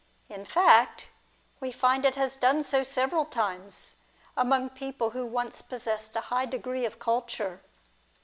In fact, we find it has done so several times, among people who once possessed a high degree of culture.